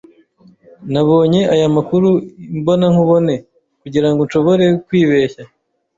Nabonye aya makuru imbonankubone, kugirango nshobore kwibeshya.